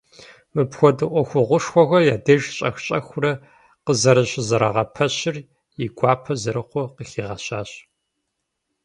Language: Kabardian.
Мыпхуэдэ ӏуэхугъуэшхуэхэр я деж щӏэх-щӏэхыурэ къызэрыщызэрагъэпэщыр и гуапэ зэрыхъур къыхигъэщащ.